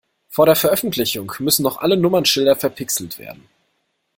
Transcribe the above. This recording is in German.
Vor der Veröffentlichung müssen noch alle Nummernschilder verpixelt werden.